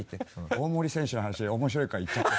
「大盛選手の話面白いから言っちゃって」